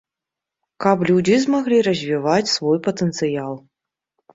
Каб людзі змаглі развіваць свой патэнцыял.